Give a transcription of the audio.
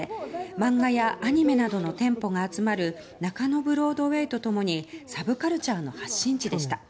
漫画やアニメなどの店舗が集まる中野ブロードウェイと共にサブカルチャーの発信地でした。